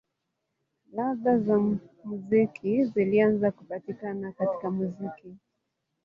Ladha za muziki zilianza kupatikana katika muziki.